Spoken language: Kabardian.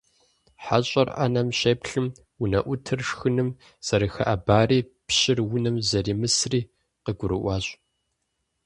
ХьэщӀэр Ӏэнэм щеплъым, унэӀутыр шхыным зэрыхэӀэбари пщыр унэм зэримысри къыгурыӀуащ.